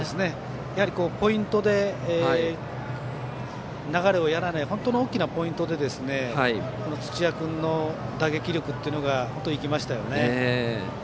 やはりポイントで流れをやらない本当に大きなポイントで土屋君の打撃力というのが生きましたよね。